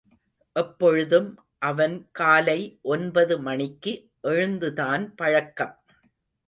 எப்பொழுதும் அவன் காலை ஒன்பது மணிக்கு எழுந்துதான் பழக்கம்.